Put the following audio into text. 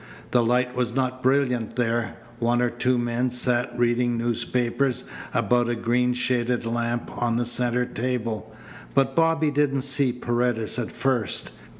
The light was not brilliant there. One or two men sat reading newspapers about a green shaded lamp on the centre table, but Bobby didn't see Paredes at first.